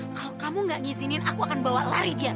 kalau kamu gak ngizinin aku akan bawa lari dia